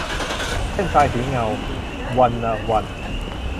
เส้นทรายสีเงา - วรรณวรรธน์